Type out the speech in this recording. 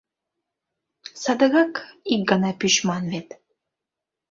— Садыгак ик гана пӱчман вет.